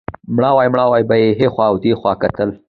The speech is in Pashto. مړاوی مړاوی به یې هخوا او دېخوا کتل.